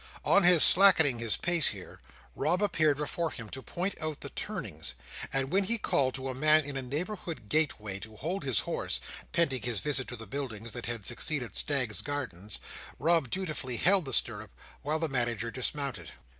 On his slackening his pace here, Rob appeared before him to point out the turnings; and when he called to a man at a neighbouring gateway to hold his horse, pending his visit to the buildings that had succeeded Staggs's Gardens, Rob dutifully held the stirrup, while the Manager dismounted.